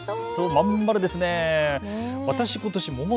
真ん丸ですね。